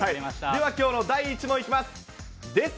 ではきょうの第１問いきます。